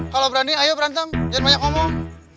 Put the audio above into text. kalau berani ayo berantem jangan banyak ngomong